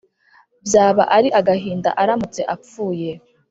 Byaba ari agahinda aramutse apfuye